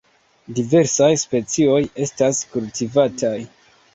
Diversaj specioj estas kultivataj.